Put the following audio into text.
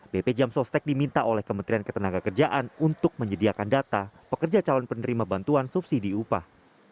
bp jam sostek diminta oleh kementerian ketenaga kerjaan untuk menyediakan data pekerja calon penerima bantuan subsidi upah